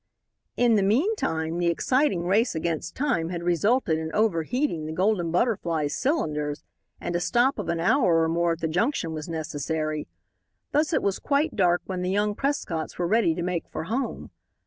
In the meanwhile, the exciting race against time had resulted in overheating the Golden Butterfly's cylinders, and a stop of an hour or more at the junction was necessary. Thus it was quite dark when the young Prescotts were ready to make for home.